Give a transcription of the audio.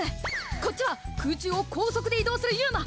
こっちは空中を高速で移動するＵＭＡ